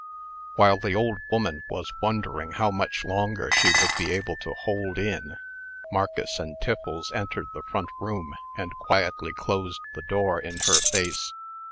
While the old woman was wondering how much longer she would be able to hold in, Marcus and Tiffles entered the front room, and quietly closed the door in her face.